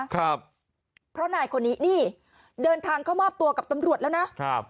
ครับเพราะนายคนนี้นี่เดินทางเข้ามอบตัวกับตำรวจแล้วนะครับ